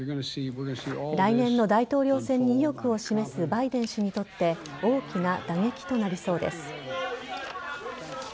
来年の大統領選に意欲を示すバイデン氏にとって大きな打撃となりそうです。